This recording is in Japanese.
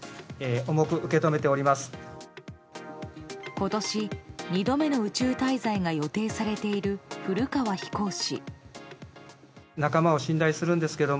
今年２度目の宇宙滞在が予定されている古川飛行士。